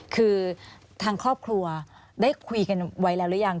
คือทางครอบครัวได้คุยกันไว้แล้วหรือยัง